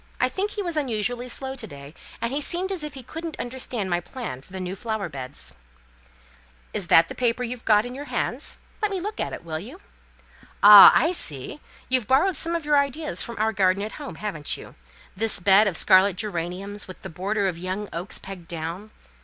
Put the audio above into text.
I think he was unusually slow to day; and he seemed as if he couldn't understand my plans for the new flower beds." "Is that the paper you've got in your hand? Let me look at it, will you? Ah, I see! you've borrowed some of your ideas from our garden at home, haven't you? This bed of scarlet geraniums, with the border of young oaks, pegged down!